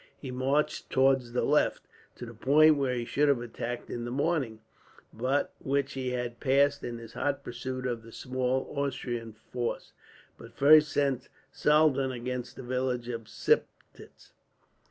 He marched towards the left, to the point where he should have attacked in the morning, but which he had passed in his hot pursuit of the small Austrian force; but first sent Saldern against the village of Siptitz.